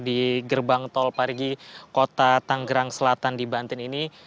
di gerbang tol parigi kota tanggerang selatan di banten ini